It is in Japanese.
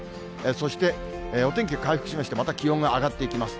そして、お天気回復しまして、また気温が上がっていきます。